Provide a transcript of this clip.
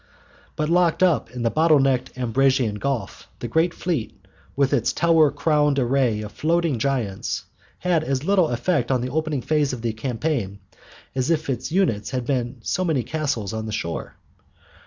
But locked up in the bottle necked Ambracian Gulf the great fleet, with its tower crowned array of floating giants, had as little effect on the opening phase of the campaign as if its units had been so many castles on the shore.